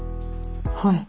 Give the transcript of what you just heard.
はい。